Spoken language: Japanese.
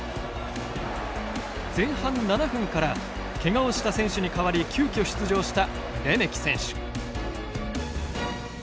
前半７分からけがをした選手に代わり急きょ出場した、レメキ選手。